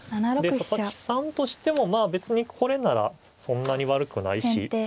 佐々木さんとしてもまあ別にこれならそんなに悪くないしまあ